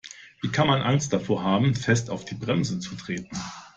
Wie kann man Angst davor haben, fest auf die Bremse zu treten?